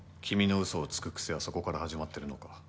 君の嘘をつく癖はそこから始まってるのか。